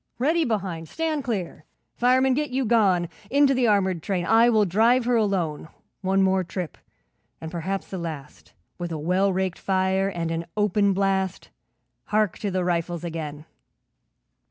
Ready behind! Stand clear! 'Fireman, get you gone Into the armoured train, I will drive her alone; One more trip and perhaps the last With a well raked fire and an open blast Hark to the rifles again.'